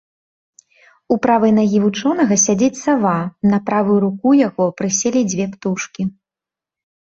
У правай нагі вучонага сядзіць сава, на правую руку яго прыселі дзве птушкі.